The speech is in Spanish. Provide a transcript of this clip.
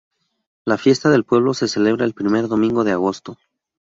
La fiesta del pueblo se celebra el primer domingo de agosto.